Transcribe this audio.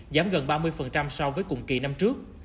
giảm gần ba mươi so với cùng kỳ năm trước